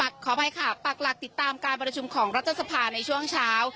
ขออภัยค่ะปักหลักติดตามการประชุมของรัฐสภาในช่วงเช้า